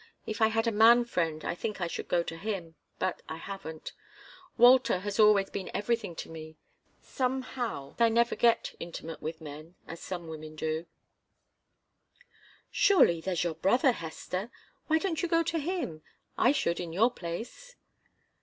If I had a man friend, I think I should go to him but I haven't. Walter has always been everything to me. Somehow I never get intimate with men, as some women do." "Surely there's your brother, Hester. Why don't you go to him? I should, in your place."